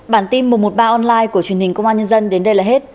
bản tin một trăm một mươi ba online của truyền hình công an nhân dân đến đây là hết